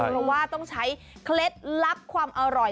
เพราะว่าต้องใช้เคล็ดลับความอร่อย